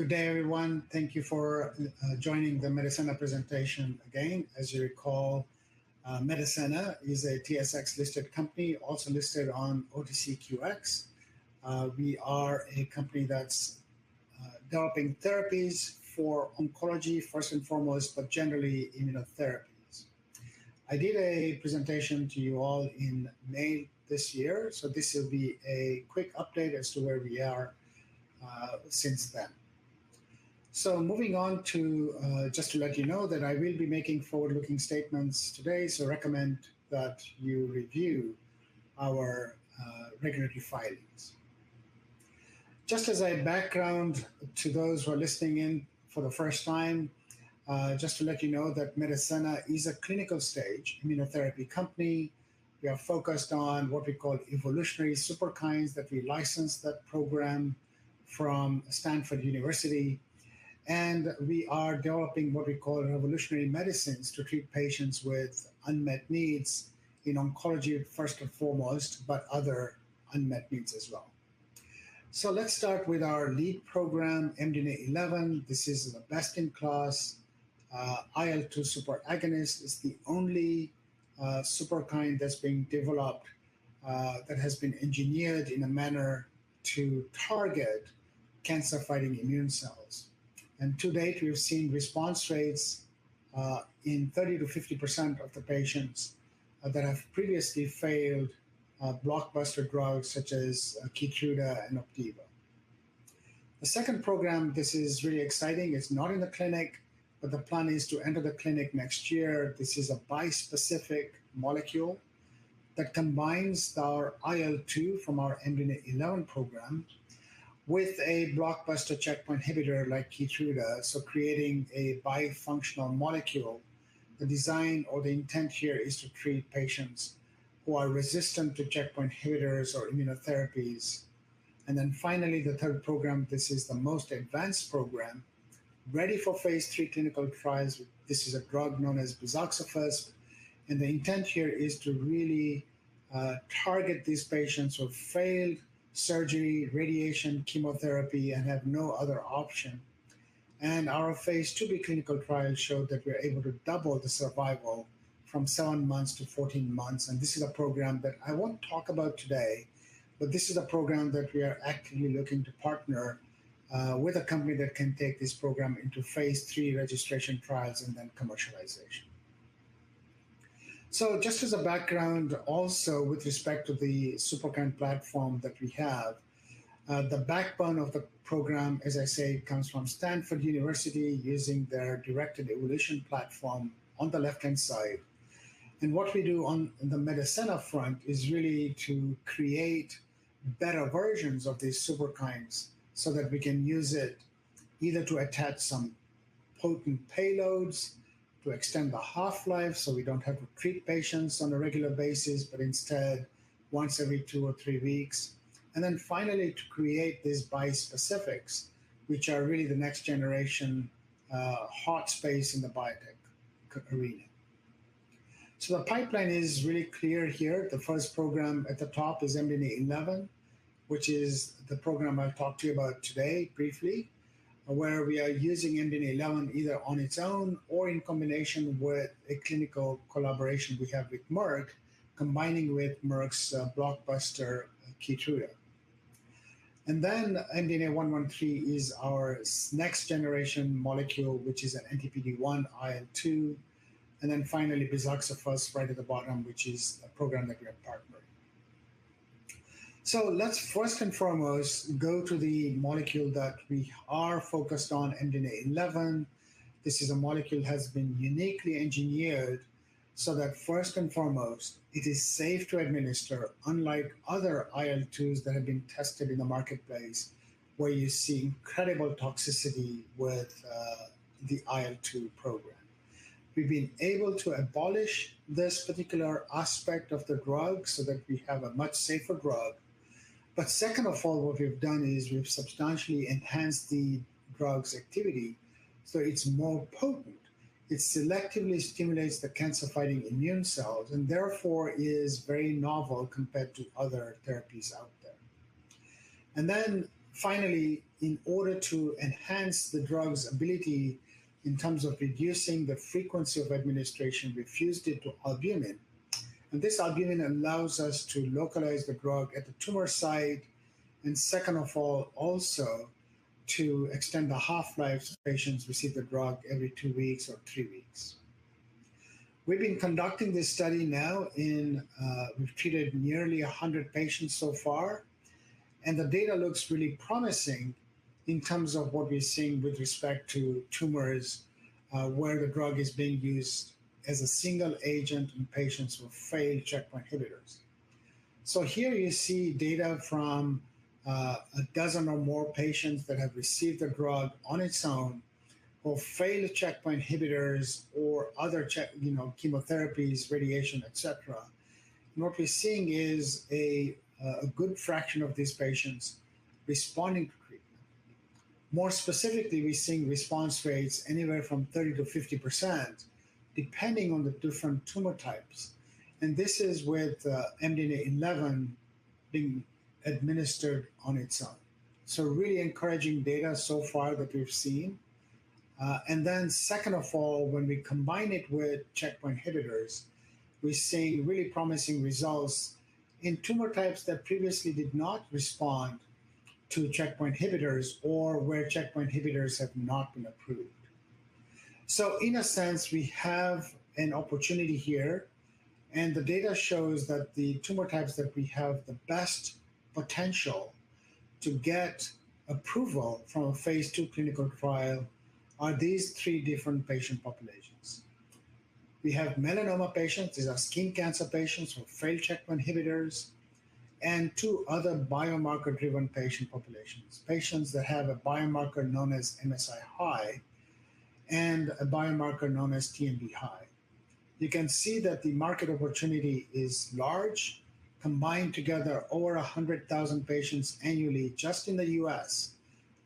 Good day, everyone. Thank you for joining the Medicenna presentation again. As you recall, Medicenna is a TSX-listed company, also listed on OTCQX. We are a company that's developing therapies for oncology, first and foremost, but generally immunotherapies. I did a presentation to you all in May this year, so this will be a quick update as to where we are since then. So, moving on, just to let you know that I will be making forward-looking statements today, so I recommend that you review our regulatory filings. Just as a background to those who are listening in for the first time, just to let you know that Medicenna is a clinical-stage immunotherapy company. We are focused on what we call evolved Superkines that we license, that program from Stanford University. We are developing what we call revolutionary medicines to treat patients with unmet needs in oncology, first and foremost, but other unmet needs as well. Let's start with our lead program, MDNA11. This is the best-in-class IL-2 super-agonist, the only Superkine that's being developed that has been engineered in a manner to target cancer-fighting immune cells. To date, we've seen response rates in 30%-50% of the patients that have previously failed blockbuster drugs such as Keytruda and Opdivo. The second program, this is really exciting. It's not in the clinic, but the plan is to enter the clinic next year. This is a bispecific molecule that combines our IL-2 from our MDNA11 program with a blockbuster checkpoint inhibitor like Keytruda, so creating a bifunctional molecule. The design or the intent here is to treat patients who are resistant to checkpoint inhibitors or immunotherapies. And then finally, the third program, this is the most advanced program, ready for Phase 3 clinical trials. This is a drug known as bizaxofusp. And the intent here is to really target these patients who have failed surgery, radiation, chemotherapy, and have no other option. And our Phase 2 clinical trial showed that we're able to double the survival from seven months to 14 months. And this is a program that I won't talk about today, but this is a program that we are actively looking to partner with a company that can take this program into Phase 3 registration trials and then commercialization. So just as a background, also with respect to the Superkine platform that we have, the backbone of the program, as I say, comes from Stanford University using their directed evolution platform on the left-hand side. And what we do on the Medicenna front is really to create better versions of these Superkines so that we can use it either to attach some potent payloads, to extend the half-life so we don't have to treat patients on a regular basis, but instead once every two or three weeks. And then finally, to create these Bispecifics, which are really the next generation hot space in the biotech arena. So the pipeline is really clear here. The first program at the top is MDNA11, which is the program I've talked to you about today briefly, where we are using MDNA11 either on its own or in combination with a clinical collaboration we have with Merck, combining with Merck's blockbuster Keytruda, and then MDNA113 is our next generation molecule, which is an anti-PD-1 IL-2, and then finally, bizaxofusp right at the bottom, which is a program that we have partnered, so let's first and foremost go to the molecule that we are focused on, MDNA11. This is a molecule that has been uniquely engineered so that first and foremost, it is safe to administer, unlike other IL-2s that have been tested in the marketplace where you see incredible toxicity with the IL-2 program. We've been able to abolish this particular aspect of the drug so that we have a much safer drug. But second of all, what we've done is we've substantially enhanced the drug's activity so it's more potent. It selectively stimulates the cancer-fighting immune cells and therefore is very novel compared to other therapies out there. And then finally, in order to enhance the drug's ability in terms of reducing the frequency of administration, we've fused it to albumin. And this albumin allows us to localize the drug at the tumor site and second of all, also to extend the half-life, patients receive the drug every two weeks or three weeks. We've been conducting this study now, and we've treated nearly 100 patients so far. And the data looks really promising in terms of what we're seeing with respect to tumors where the drug is being used as a single agent in patients who have failed checkpoint inhibitors. So here you see data from a dozen or more patients that have received the drug on its own or failed checkpoint inhibitors or other chemotherapies, radiation, etc. And what we're seeing is a good fraction of these patients responding to treatment. More specifically, we're seeing response rates anywhere from 30%-50% depending on the different tumor types. And this is with MDNA11 being administered on its own. So really encouraging data so far that we've seen. And then second of all, when we combine it with checkpoint inhibitors, we're seeing really promising results in tumor types that previously did not respond to checkpoint inhibitors or where checkpoint inhibitors have not been approved. So in a sense, we have an opportunity here. The data shows that the tumor types that we have the best potential to get approval from a Phase 2 clinical trial are these three different patient populations. We have melanoma patients, these are skin cancer patients who have failed checkpoint inhibitors, and two other biomarker-driven patient populations, patients that have a biomarker known as MSI-high and a biomarker known as TMB-high. You can see that the market opportunity is large. Combined together, over 100,000 patients annually just in the U.S.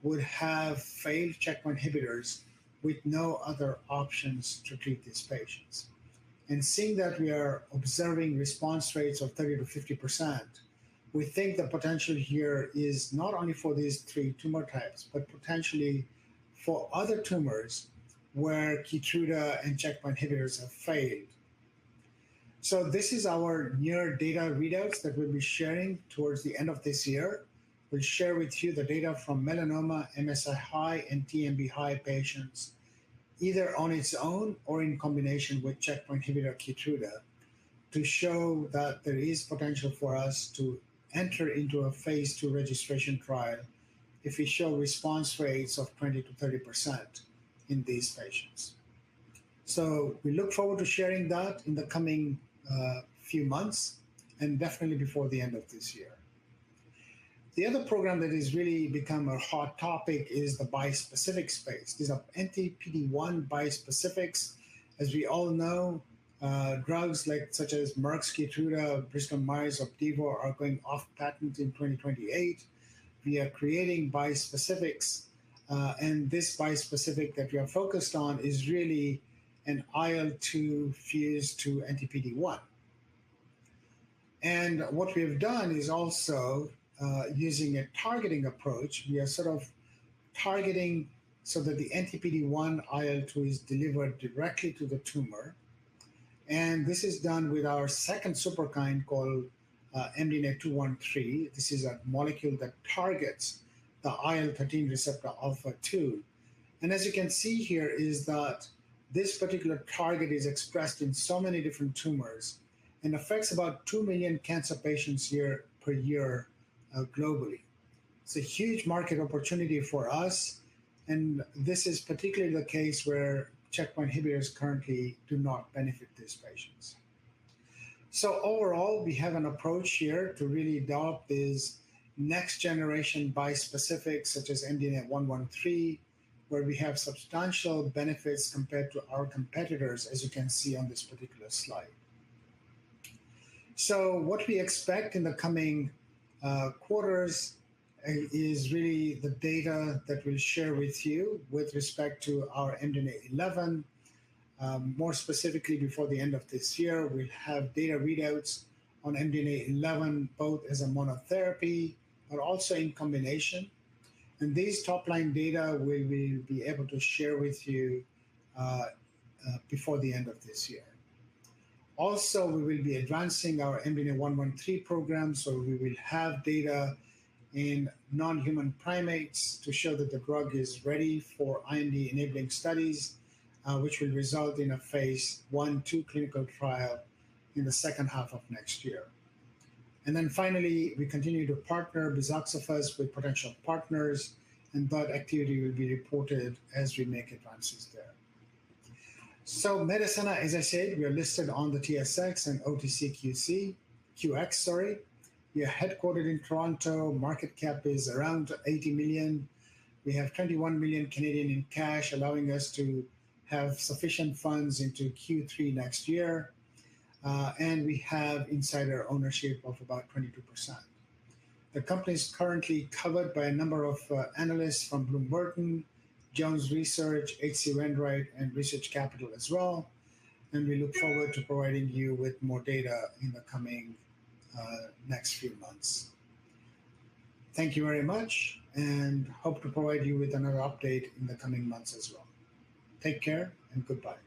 would have failed checkpoint inhibitors with no other options to treat these patients. Seeing that we are observing response rates of 30%-50%, we think the potential here is not only for these three tumor types, but potentially for other tumors where Keytruda and checkpoint inhibitors have failed. This is our near-term data readouts that we'll be sharing towards the end of this year. We'll share with you the data from melanoma, MSI-high, and TMB-high patients, either on its own or in combination with checkpoint inhibitor Keytruda to show that there is potential for us to enter into a Phase 2 registration trial if we show response rates of 20%-30% in these patients. We look forward to sharing that in the coming few months and definitely before the end of this year. The other program that has really become a hot topic is the bispecific space. These are anti-PD-1 bispecifics. As we all know, drugs such as Merck's Keytruda, Bristol Myers Opdivo are going off patent in 2028. We are creating bispecifics. This bispecific that we are focused on is really an IL-2 fused to anti-PD-1. What we have done is also using a targeting approach. We are sort of targeting so that the anti-PD-1 IL-2 is delivered directly to the tumor. And this is done with our second Superkine called MDNA213. This is a molecule that targets the IL-13 receptor alpha 2. And as you can see here, this particular target is expressed in so many different tumors and affects about two million cancer patients here per year globally. It's a huge market opportunity for us. And this is particularly the case where checkpoint inhibitors currently do not benefit these patients. So overall, we have an approach here to really develop this next-generation bispecific such as MDNA113, where we have substantial benefits compared to our competitors, as you can see on this particular slide. So what we expect in the coming quarters is really the data that we'll share with you with respect to our MDNA11. More specifically, before the end of this year, we'll have data readouts on MDNA11, both as a monotherapy but also in combination. And these top-line data we will be able to share with you before the end of this year. Also, we will be advancing our MDNA113 program, so we will have data in non-human primates to show that the drug is ready for IND-enabling studies, which will result in a Phase 1/2 clinical trial in the second half of next year. And then finally, we continue to partner bizaxofusp with potential partners, and that activity will be reported as we make advances there. So Medicenna, as I said, we are listed on the TSX and OTCQX. We are headquartered in Toronto. Market cap is around 80 million. We have 21 million in cash, allowing us to have sufficient funds into Q3 next year, and we have insider ownership of about 22%. The company is currently covered by a number of analysts from Bloomberg, Jones Research, H.C. Wainwright, and Research Capital as well, and we look forward to providing you with more data in the coming next few months. Thank you very much, and hope to provide you with another update in the coming months as well. Take care and goodbye.